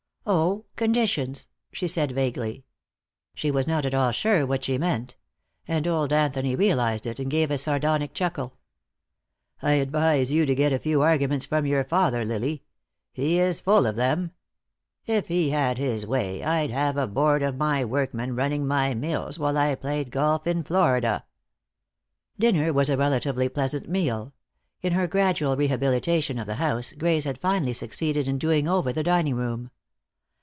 "Oh conditions," she said vaguely. She was not at all sure what she meant. And old Anthony realized it, and gave a sardonic chuckle. "I advise you to get a few arguments from your father, Lily. He is full of them. If he had his way I'd have a board of my workmen running my mills, while I played golf in Florida." Dinner was a relatively pleasant meal. In her gradual rehabilitation of the house Grace had finally succeeded in doing over the dining room.